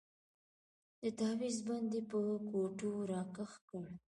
د تاويز بند يې په ګوتو راکښ کړ.